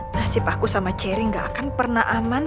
nasib aku sama cherry nggak akan berjalan